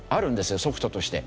ソフトとして。